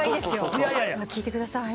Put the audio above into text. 聞いてください。